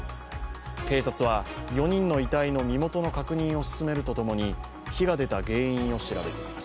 警察は４人の遺体の身元の確認を進めるとともに火が出た原因を調べています。